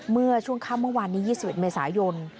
เมื่อช่วงค่ำเมื่อวานนี้๒๑เมษายน